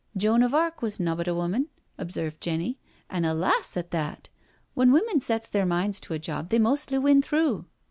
" Joan of Arc was nobbut a woman," observed Jenny, "an* a lass at that I When women sets their minds to a job they mostly win through."